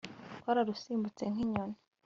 twararusimbutse nk'inyoni